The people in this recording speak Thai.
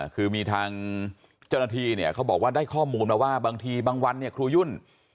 คือมีทางเจ้าหน้าที่เนี่ยเขาบอกว่าได้ข้อมูลมาว่าบางทีบางวันเนี่ยครูยุ่น